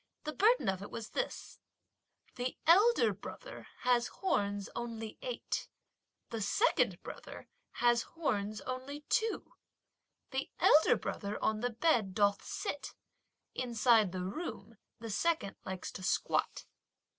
The burden of it was this: The elder brother has horns only eight; The second brother has horns only two; The elder brother on the bed doth sit; Inside the room the second likes to squat.